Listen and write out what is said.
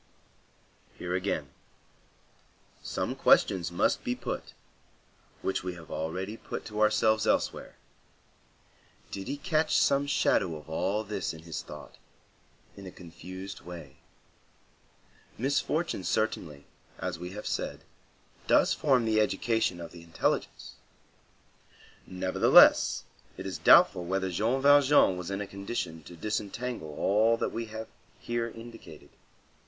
Here, again, some questions must be put, which we have already put to ourselves elsewhere: did he catch some shadow of all this in his thought, in a confused way? Misfortune certainly, as we have said, does form the education of the intelligence; nevertheless, it is doubtful whether Jean Valjean was in a condition to disentangle all that we have here indicated.